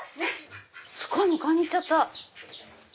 すごい！迎えに行っちゃった。